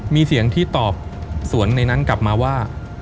มีเสียงที่ตอบสวนในนั้นกลับมาว่า